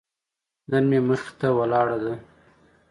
نن مې مخې ته ولاړه ده.